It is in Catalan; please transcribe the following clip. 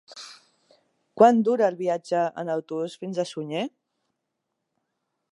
Quant dura el viatge en autobús fins a Sunyer?